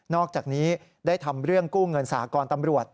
อกจากนี้ได้ทำเรื่องกู้เงินสากรตำรวจ